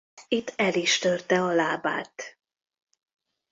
Itt el is törte a lábát.